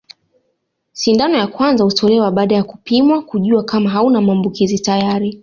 Sindano ya kwanza hutolewa baada ya kupimwa kujua kama hauna maambukizi tayari